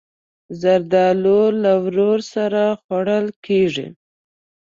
زردالو له ورور سره خوړل کېږي.